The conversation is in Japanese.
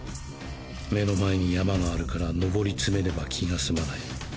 目の前に山があるから登り詰めねば気が済まない。